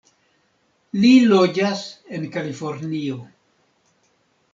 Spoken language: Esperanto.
Li loĝas en Kalifornio.